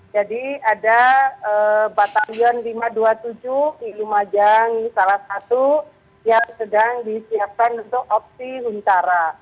jadi ada batalion lima ratus dua puluh tujuh di lumajang salah satu yang sedang disiapkan untuk opsi buntara